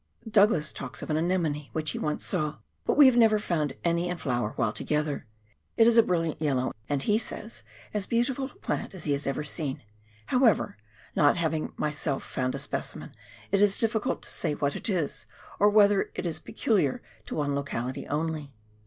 Douglas talks of an anemone wbicb he once saw, but we have never found any in flower while together ; it is a brilliant yellow and, he says, as beautiful a plant as he has ever seen ; however, not having myself found a specimen it is difficult to say what it is, or whether it is peculiar to one locality only.